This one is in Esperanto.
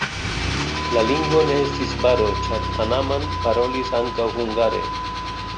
La lingvo ne estis baro, ĉar Hanaman parolis ankaŭ hungare.